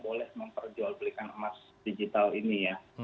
boleh memperjual belikan emas digital ini ya